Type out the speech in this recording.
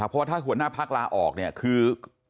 เพราะว่าถ้าหัวหน้าพักลาออกเนี่ยคือ